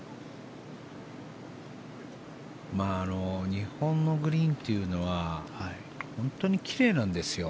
日本のグリーンというのは本当に奇麗なんですよ